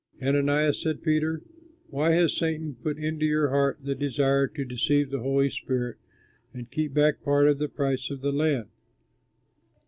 "Ananias," said Peter, "why has Satan put into your heart the desire to deceive the Holy Spirit and keep back part of the price of the land?